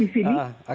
jadi di sini